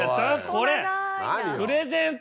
これプレゼント